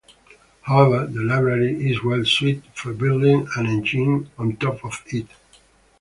However, the library is well-suited for building an engine on top of it.